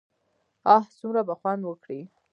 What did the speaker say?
اه څومره به خوند وکړي.